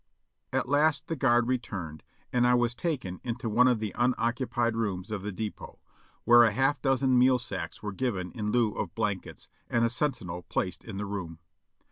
At last the guard returned and I was taken into one of the un occupied rooms of the depot, where a half dozen meal sacks were given in lieu of blankets, and a sentinel placed in the room.